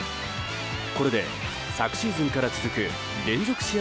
これで昨シーズンから続く連続試合